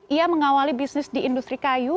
ia mengawali bisnis di industri kayu